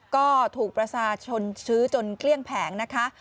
ก็ถูกประชาชนซื้อจนเกลี้ยงแผงนะคะ